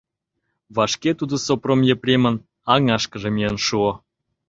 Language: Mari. Вашке тудо Сопром Епремын аҥашкыже миен шуо.